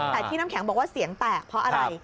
แต่ที่น้ำแข็งบอกว่าเสียงแตกเพราะอะไร